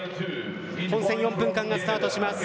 本戦４分間がスタートします。